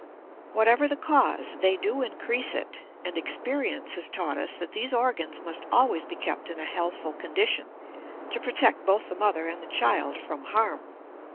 Whatever the cause, they do increase it, and experience has taught us that these organs must always be kept in a healthful condition to protect both the mother and the child from harm.